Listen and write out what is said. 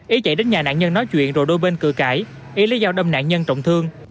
ý chạy đến nhà nạn nhân nói chuyện rồi đôi bên cửa cãi ý lấy dao đâm nạn nhân trọng thương